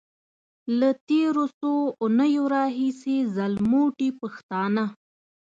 له تېرو څو اونيو راهيسې ځلموټي پښتانه.